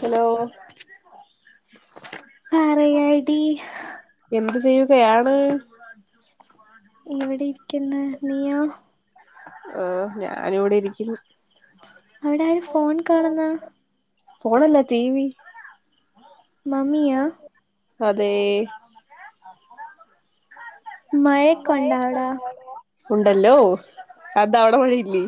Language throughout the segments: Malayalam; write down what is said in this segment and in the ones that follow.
ഹലോ പറയടി എന്ത് ചെയ്യുകയാണ് ഇവിടെ ഇരിക്ക്ന്ന് നീയോ ഈഹ് ഞാനിവിടെ ഇരിക്ക്ന്ന് അവിടെ ആര് ഫോൺ കാണുന്ന ഫോണല്ല ടി വി മമ്മിയാ അതെ മഴെക്കെ ഉണ്ടവ്ടാ ഉണ്ടല്ലോ എന്താ അവിടെ മഴയില്ലേ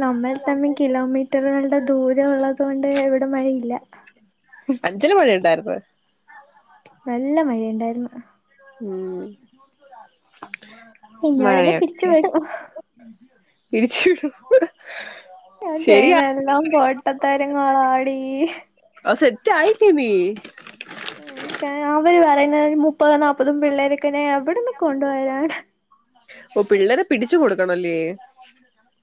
നമ്മൾ തമ്മിൽ കിലോമീറ്ററുകളുടെ ദൂരം ഉള്ളത്കൊണ്ട് ഇവിടെ മഴയില്ല അഞ്ചല് മഴ ഉണ്ടായിരുന്നു നല്ല മഴെണ്ടായിരുന്നു ഉം എന്നോടെന്നെ പിരിച്ചു മഴയൊക്കെ വിടും [unintelligible] ഞാൻ ശരിയാ ചെയ്യുന്ന എല്ലാം പൊട്ടത്താരങ്ങളാടി അത് സെറ്റാ ആയിറ്റെ നീ [unintelligible] അവര് പറയുന്ന മുപ്പതും നാപ്പതും പിള്ളേരൊക്കെ ഞാൻ എവിട്ന്ന് കൊണ്ടു വരാൻ ഓ പിള്ളേരെ പിടിച്ചു കൊടുക്കണല്ലേ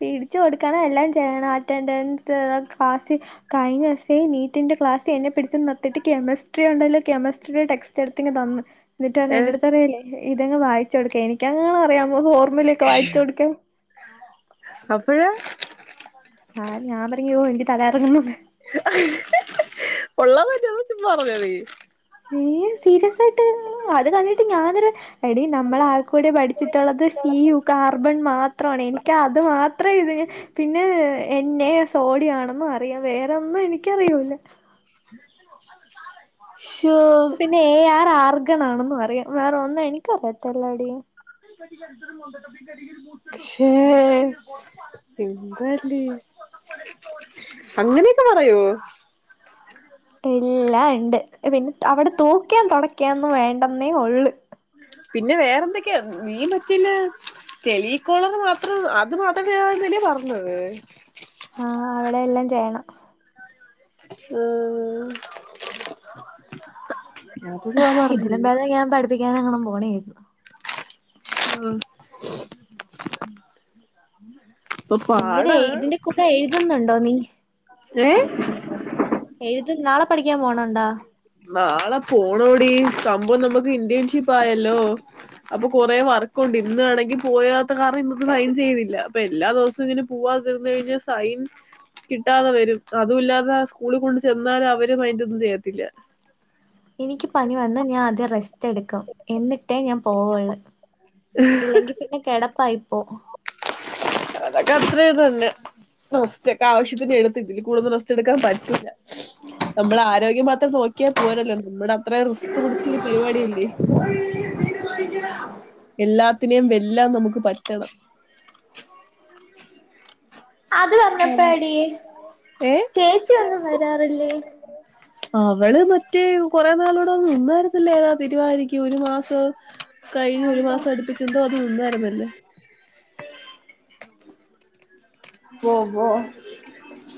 പിടിച്ചു കൊടുക്കണം എല്ലാം ചെയ്യണം അറ്റൻഡൻസ് ക്ലാസി കഴിഞ്ഞ ദിവസേ നീറ്റിന്റെ ക്ലാസ്സി എന്നെ പിടിച്ച് നിർത്തീട്ട് കെമിസ്ട്രി ഉണ്ടാല്ലോ കെമിസ്ട്രിയുടെ ടെക്സ് റ്റെടുത്തിങ്ങ് തന്ന് എന്നിട്ട് പറഞ്ഞ് ഏഹ് എന്റെടുത്ത് പറയല്ലേ ഇതങ്ങ് വായിച്ച് കൊടുക്കാൻ എനിക്കെങ്ങാനും അറിയാമോ ഫോർമുലെ ഉം അപ്പാഴ് ആഹ് ഞാൻ പറഞ്ഞ് ഓ എനിക്ക് തല കറങ്ങുന്ന് ഉള്ളതാണോ ചുമ്മാ പറഞ്ഞോ നീ ഏഹ് സീരിയസ് ആയിട്ട് അത് കണ്ടിട്ട് ഞാനൊരു എടി നമ്മള് ആകെക്കൂടി പഠിച്ചിട്ടുള്ളത് സി യു കാർബൺ മാത്രാണ് എനിക്ക് അത് മാത്രേ ഇത് പിന്നെ എൻ എ സോഡിയാണെന്നും അറിയാം വേറൊന്നും എനിക്കറിയൂലാ ശോ പിന്നെ എ ആർ ആർഗൺ ആണെന്നും അറിയാം വേറൊന്നും എനിക്കറിയത്തില്ല ടി ട്ട മുണ്ട ശേ എന്താല്ലേ അങ്ങനെക്കെ പറയോ എല്ലാം ഇണ്ട് പിന്നെ അവിടെ തൂക്കിയേം തൊടക്കേം യൊന്നും വേണ്ടന്നേ ഒള്ള്. പിന്നെ വേറെന്തൊക്കെയാ നീ മറ്റേല് ടെലിക്കോളർ മാത്രം അത് മാത്രമേ ആയിരുന്നില്ലെ പറഞ്ഞത്. അവിടെയെല്ലാം ചെയ്യണം. ഏഹ്. [unintelligible] പഠിപ്പിക്കാനെങ്ങണം പോണേര്ന്നു. ഉം ഇപ്പൊ എന്തിനാ പാടാ ഇയ്തിന്റെ കൂടെ എഴുതുന്നുണ്ടോ നീ. ഏഹ്? എഴുത് നാളെ പഠിക്കാൻ പോണാ? നാളെ പോണോടി സംഭവം നമുക്ക് ഇന്റേൺഷിപ്പായല്ലോ അപ്പൊ കൊറേ വർക്കുണ്ട്. ഇന്നാണെങ്കി പോയാത്ത കാരണം ഇന്നത്തെ സൈൻ ചെയ്തില്ല. അപ്പെല്ലാ ദിവസവും ഇങ്ങനെ പൂവാതിര്ന്ന് കഴിഞ്ഞാ സൈൻ കിട്ടാതെ വരും. അതും ഇല്ലാതെ ആ സ്കൂളിൽ കൊണ്ട് ചെന്നാലും അവര് മയിൻ്റൊന്നും ചെയ്യത്തില്ല. എനിക്ക് പനി വന്ന ഞാ ആദ്യം റെസ്റ്റ് എടുക്കും എന്നിട്ടേ ഞാൻ പോവൊള്ള്. ഇല്ലെങ്കി പിന്നെ കെടപ്പായിപ്പോ അതൊക്ക അത്രയും തന്നെ. റെസ്റ്റക്കെ ആവശ്യത്തിന് എടുത്ത് ഇതിൽ കൂടുത റെസ് റ്റെടുക്കാൻ പറ്റൂല്ല. നമ്മൾ ആരോഗ്യം മാത്രം നോക്കിയാ പോരല്ലോ. നമ്മുടെ അത്ര റിസ്ക് പിടിച്ചൊരു പരിപാടിയല്ലേ. എല്ലാത്തിനെയും വെല്ലാൻ നമുക്ക് പറ്റണം. അത് വന്നപ്പഴാടി ഏ ചേച്ചി ഒന്നും വരാറില്ലേ? അവള് മറ്റേ കുറെ നാളൂടെ നിന്നായിരുന്നല്ലേ ഏതാ തിരുവാതിരക്ക് ഒരു മാസം കഴിഞ്ഞ ഒരു അതെന്താ മാസം അടിപ്പിച്ചെന്തോ അത് നിന്നായ്രുന്നല്ലേ. ഉവ്വ ഉവ്വോ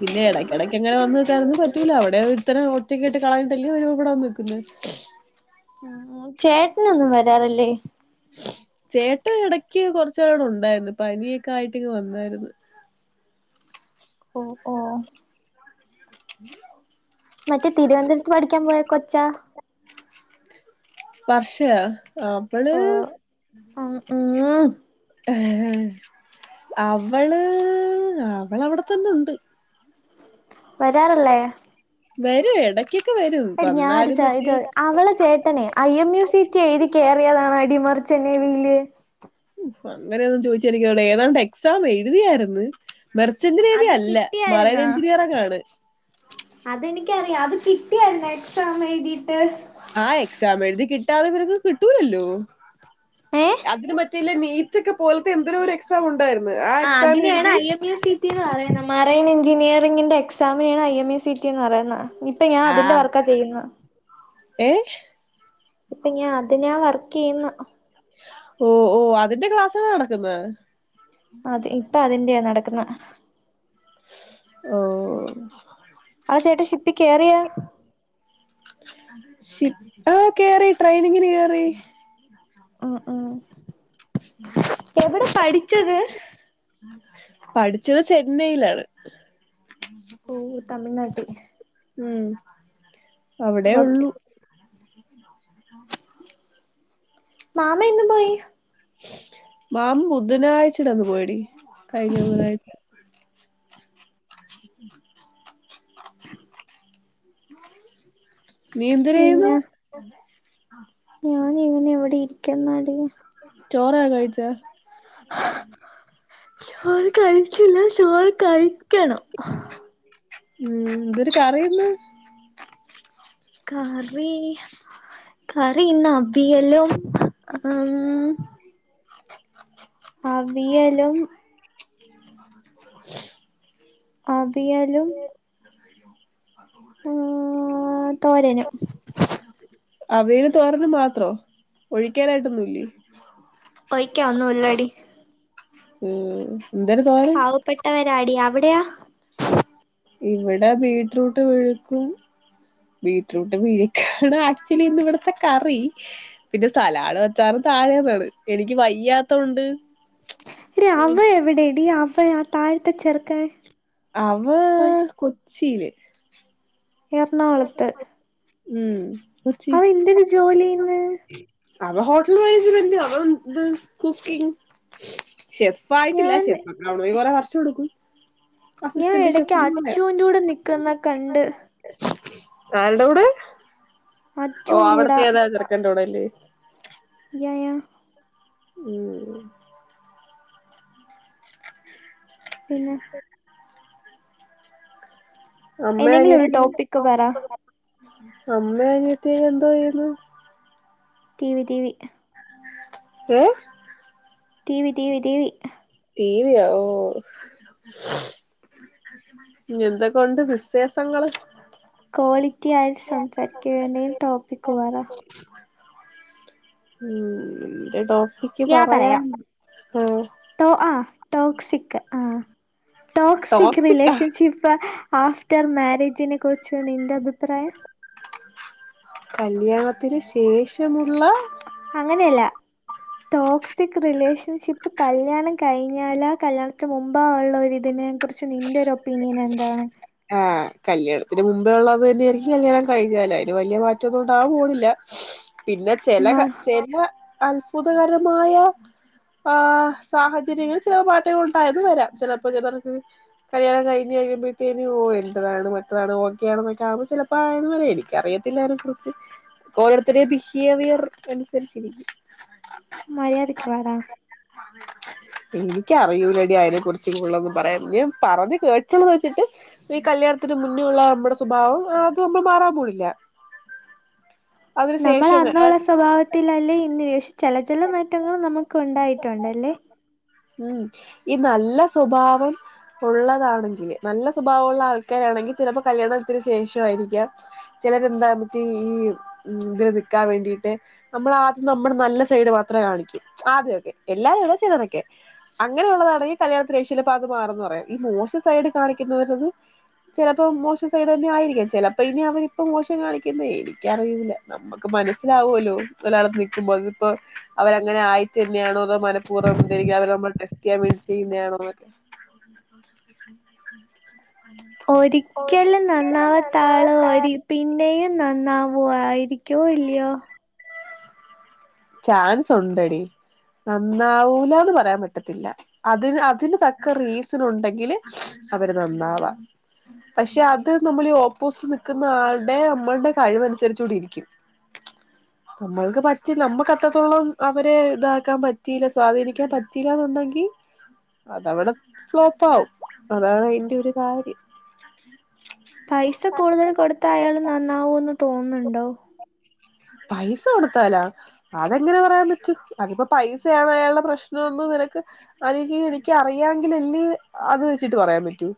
പിന്നെ എടക്കടക്കങ്ങനെ വന്ന് നിക്കാനൊന്നും പറ്റൂല. അവി ഇത്തരം ഒറ്റക്കായിട്ട് കളഞ്ഞിട്ടല്ലേ ഒരു ബടെന്ന് നിക്കുന്നെ. ഉം ഉം ചേട്ടനൊന്നും വരാറില്ലേ? ചേട്ട ഇടക്ക് കൊറച്ച്നാളിവടെ ഉണ്ടായിരുന്നു പനിയൊക്കെ ആയിട്ടിങ്ങ് വന്നായിരുന്ന്. ഓഹ് ഓ ഉ [inaudible] മറ്റേ തിരുവൻന്തപുരത്ത് പഠിക്കാൻ പോയ കൊച്ചാ? വർഷയോ. ആ വ്വള് ഓ ഉം ഉം ഏഹേ അവള് അവളവിടെ തന്നു ണ്ട്. വരാറില്ലേ വരും എടക്കൊക്കെ വരും. എടി ഞാ വന്നാലും സാ മറ്റേ ഇത് അവളെ ചേട്ടനേ I M U C T എഴുതി കേറിയതാണോ ടി മർച്ചൻ്റ് നേവിയില്. ഊഹ് അങ്ങനെയൊന്നും ചോദിച്ചാ എനിക്കറിയില്ല ഏതാണ്ട് എക്സാം എഴുതിയായിര്ന്ന്. മെർച്ചൻ്റ് നേവി അത് അല്ല മറെയിൻ കിട്ടിയായിരുന്നാ എഞ്ചിനീയറങ്ങാണ്. അതെനിക്കറിയാ. അത് കിട്ടിയായ്‌രുന്നൊ എക്സാം എഴുതിയിട്ട്? ആഹ് എക്സാം എഴുതി കിട്ടാതെ ഇവർക്ക് കിട്ടൂലല്ലോ. ഏ അതിന് മ റ്റില് മീറ്റ് ഒക്കെ പോൽത്തെ എന്തെരോ ഒരു എക്സാം ഉണ്ടായിരുന്ന്, ആ എക്സാം എഴുതി. റ്റീന്ന് പറയുന്ന മറൈൻ എഞ്ചിനീയറിംഗിന്റെ എക്സാംമെ ആണ് ഐ എം എസ് സിറ്റി എന്ന് പറയ്ന്ന. ഇപ്പ ഞാൻ അതിന്റെ വർക്കാ ചെയ്യുന്ന. ഏഹ്? ഇപ്പ ഞാൻ അതിനാ വർക്കെയ്യുന്ന്. ഓഹ് ഓഹ്. അതിന്റെ ക്ലാസാണോ നടക്ക്ന്നഹ്? അതെ ഇപ്പ അതിന്റെയാ നടക്കുന്ന. ഓഹ് ആ ചേട്ടൻ ഷിപ്പി കേറിയാ ഷിപ്പ് കേറി ട്രെയിനിങ്ങിന് കേറി ഉ ഉം എവിടെ പഠിച്ചത് പഠിച്ചത് ചെന്നൈയിലാണ് ഓഹ് തമിഴ്നാട്ടി ഉം അവിടേ ഓക്കെ ഉള്ളൂ മാമ എന്നു പോയി മാമ ബുധനാഴ്ച്ചടന്ന് പോയടി കഴിഞ്ഞ ബുധനാഴ്ച്ച ! ! ! ! ! ! ! ! ! ! നീ എന്തര് ചെയ്യുവ പിന്നെ ഞാൻ ഇങ്ങനെ ഇവിടെ ഇരിക്കുന്നടീ ചോറക കഴിച്ച ചോറ് കഴിച്ചില്ല ചോറ് കഴിക്കണം ഉം എന്തൊര് കറിയിന്ന് കറി കറി ഇന്ന് അവിയലും ഉം ! ! ! ! ! ! ! ! ! ! അവിയലും ! ! ! ! ! ! ! ! ! ! അവിയലും ! ! ! ! ! ! ! ! ! ! ആഹ് തോരനും അവിയലും തോരനും മാത്രോ ഒഴിക്കാനായിട്ടൊന്നു ഇല്ലേ ഒഴിക്കാൻ ഒന്നും ഇല്ലടി ഉം എന്തര് തോരൻ പ്പെട്ടവരാടി അവിടെയോ ഇവിടെ ബീട്രൂട്ട് വിഴുക്കും ബീറ്ററൂട്ട് വിഴുക്കാണ് ആക്ച്വലി ഇന്നിവിടത്തെ കറി പിന്നെ സാലഡും അച്ചാറും താഴേന്നാണ് എനിക്ക് വയ്യാത്തോണ്ട് എടീ അവ എവിടെടീ അവ ആ താഴത്തെ ചെറുക്കൻ അവാ കൊച്ചീല് എറണാകുളത്ത് ഉം അവൻ എന്തിന് ജോലി ചെയ്യുന്ന് അവൻ ഹോട്ടൽ മാനേജ്മെന്റ് അവൻ ഇത് കുക്കിങ് ഷെഫ് ആയിട്ടില്ല ഞാൻ ഷെഫ് ആകണമെങ്കിൽ കൊറെ വർഷം എടുക്കും ഞാൻ അസിസ്റ്റന്റ് എടക്ക് ഷെഫ് അച്ചൂൻ്റൂടെ നിക്ക്ന്നെ കണ്ട് ആരിടെകൂടെ ഓഹ് അച്ചുവിന്റെ കൂടെ അവിടുത്തെ ഏതോ ചെറുക്കൻ്റെ കൂടെ അല്ലിയോ യാ യാ ഉം പിന്ന അമ്മേ എന്തെങ്കിലും ഒരു അനിയത്തീം ടോപ്പിക്ക് പറ അമ്മേ അനിയത്തി എന്തൊ ചെയ്യുന്ന് ടീവി ടീവി ഏഹ് ടീവി ടീവി ടീവി ടീവിയോ ഓഹ് ഞ്ഞെന്തെക്കൊണ്ട് വിശേഷങ്ങള് ക്വാളിറ്റി ആയിട്ട് സംസാരിക്കിയാണേ ടോപ്പിക്ക് പറ ഉം എന്റെ ടോ ക്ക് ഞാൻ പറയാം പറയാൻ ആഹ് ടോ ആഹ് ടോക്സിക്ക് ആഹ് ടോക്സിക്ക് ടോപ്പിക്കാ റിലേഷൻഷിപ്പ് ആഹ് റ്റം മാരേജിനെ കുർച്ച് നിന്റെ അഭിപ്രായം കല്ലിയാണത്തിന് ശേഷമുള്ള അങ്ങനെയല്ല ടോക്സിക് റിലേഷൻഷിപ്പ് കല്യാണം കഴിഞ്ഞാലാ കല്യാണത്തിന് മുമ്പോ ഉള്ള ഒരു തിനെ കുർച്ച് കുറിച് നിൻ്റെരു ഒപ്പീനിയനെഎന്താ ആഹ് ആഹ് കല്യാണത്തിന് മുമ്പേ ള്ളത് തന്നെയിരിക്കും കല്യാണം കഴിഞ്ഞാലും അയിന് വല്ലിയ മാറ്റൊന്നുംണ്ടാവാം പോണില്ല പിന്നെ ചെല മാ ക ചെല അത്ഭുതകരമായ ആഹ് സാഹചര്യങ്ങൾ ചെല മാറ്റങ്ങൾ ഉണ്ടായന്ന് വരാം ചിലപ്പോ ചിലർക്ക് കല്ലിയാണം കയിഞ്ഞ് കയ്യുമ്പേക്കും തെരി ഓൽതതാണ് മറ്റതാണ് ഓക്കെ യാണെന്നൊക്കെ ആകുമ്പോ ചിലപ്പോ ആഹ് ന്ന് പറയാ എനിക്കറിയത്തില്ല യിനെ കുർച്ച് ഓരോര്ത്തെരിം ബിഹേവിയർ അനുസരിച്ചിരിക്കും മര്യാദിക്ക് വാടാ [unintelligible] എനിക്കറിയൂല ടി അയിനെ കുർച്ച് ഫുള്ളന്നും പറയാൻ ന്നേം പറഞ്ഞ് കേട്ടിട്ടുള്ളത് വെച്ചിട്ട് ഈ കല്യാണത്തിന് മുന്നെയുള്ള നമ്മുടെ സ്വഭാവം അത് ഒന്നും മാറാൻ പോണില്ല [inaudible] നമ്മളെ ശേഷം അന്നുള്ള സ്വഭാവത്തിലല്ലേ ഇന്ന് പക്ഷെ ചില ചില മാറ്റങ്ങൾ നമുക്ക് ഉണ്ടായിട്ടുണ്ടല്ലേ ഉം ഈ നല്ല സ്വഭാവം ഉള്ളതാണെങ്കില് നല്ല സ്വ സ്വഭാവമുള്ള ആൾക്കാരാണെങ്കിൽ ചിലപ്പോ കല്യാണം ത്തിന് ശേഷൊയിരിക്കാം ചിലരെന്താ മറ്റേ ഈ ഉം തില് നിക്കാൻ വേണ്ടീട്ട് നമ്മൾ ആദ്യം നമ്മളെ നല്ല സൈഡ് മാത്രേ കാണിക്കൂ ആദ്യൊക്കെ എല്ലാരുംല്ല ചിലരൊക്കെ അങ്ങനെയുള്ളതാണെ കല്യാണത്തിന്ഷ്യയില് പ്പത് മാറുംന്ന് പറയാം ഈ മോശം സൈഡ് കാണിക്കുന്നവര് ചെലപ്പം മോശം സൈഡ്ന്നെ ആയിരിക്കും ചിലപ്പോ ഇനി അവരിപ്പം മോശം കാണിക്കുന്നെ എനിക്കറിയൂല അ നമുക്ക് മനസ്സിലാവോല്ലോ ഒലാളത്ത് നിൽക്കുമ്പോൾ ഇതിപ്പോ അവരങ്ങനെ ആയിറ്റ് ന്നെയണോ അതോ മനഃപൂർവം ന്തെയിരികും അവരെ നമ്മെ ടെസ്റ്റ്യ്യാൻ വേണ്ടിട്ട് ചെയ്യുന്നേയാണോന്ന് ക്കെ ഒരിക്കലും നന്നാവാത്താള് ഒരി പിന്നെയും നന്നാവോ ആയിരിക്കോ ഇല്ലയോ ചാൻസ് ഉണ്ടടി നന്നാവൂലാന്ന് പറയാൻ പറ്റത്തില്ല അതിന് അതിന് തക്ക റീസണ് ഉണ്ടെങ്കില് അവര് നന്നാവാം പക്ഷെ അത് നമ്മളീ ഓപ്പോസ് നിക്ക്ന്ന ആൾടെ നമ്മളുടെ കഴിവനുസരിച്ചൂടി ഇരിക്കും നമ്മൾക്ക് പറ്റി നമ്മക്ക് ക്ക ത്രത്തോളം അവരെ താക്കാൻ പറ്റിയില സ്വാധീനിക്കാൻ പറ്റീല ന്നുണ്ടെങ്കീ അതവടെ ഫ്ലോപ്പ് ആവും അതാണ് അയിന്റെ ഒരു കാര്യം പൈസ കൂടുതൽ കൊടുത്ത അയാള് നന്നാവൂന്ന് തോന്നുന്നുണ്ടോ പൈസൊടുത്താലാ അതെങ്ങനെ പറയാൻ പറ്റും അതിപ്പോ പൈസയാവു അയാൾടെ പ്രശ്നൊന്ന് നിനക്ക് അല്ലെങ്കി എനിക്ക് അറിയാങ്കിൽ എൽയ് അത് വെച്ചിട്ട് പറയാൻ പറ്റൂ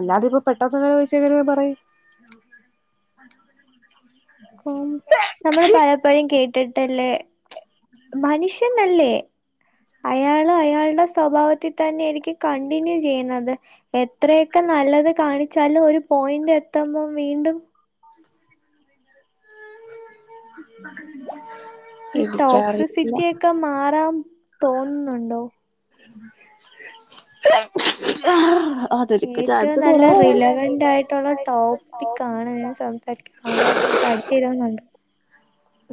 അല്ലാതിപ്പൊ പെട്ടെന്ന് ങ്ങൊയ്ച്ച എങ്ങനെ ഞാ പറയും നമ്മള് പലപ്പഴും കേട്ടിട്ടല്ലേ മനുഷ്യൻ അല്ലേ അയാള് അയാളുടെ സ്വഭാവത്തി തന്നെ എനിക്ക് കണ്ടിന്യൂ ചെയ്യുന്നത് എത്രയൊക്കെ നല്ലത് കാണിച്ചാലും ഒരു പോയിന്റ് എത്തുമ്പം വീണ്ടും [unintelligible] ഈ എനിക്കറിയില്ല ടോക്സിസിറ്റിയൊക്കെ മാറാൻ തോന്നുന്നുണ്ടോ [unintelligible] ഏറ്റവും ചാൻസ് നല്ല കുറവാണ് റിലവന്റ് ആയിട്ടൊള്ള ടോപ്പിക്കാണ് സം [unintelligible]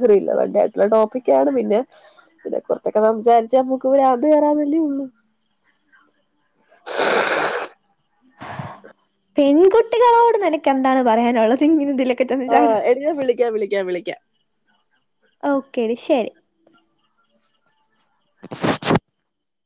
തറിയില്ല വല്ലാത്തൊരു ടോപ്പിക്കാണ് പിന്നെ ഇതിനെ കുറച്ചൊക്കെ സംസാരിച്ചാ മ്മക്ക് ഭ്രാന്ത് വരാനല്ലെയൊള്ളൂ പെൺകുട്ടികളോട് നിനക്ക് എന്താണ് പറയാനൊള്ളത് ഇങ്ങിനെ ന്തിലൊ ആഹ് എടി ഞ വിളിക്ക വിളിക്ക വിളിക്ക ഓക്കെടി ശരി